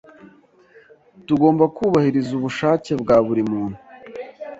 Tugomba kubahiriza ubushake bwa buri muntu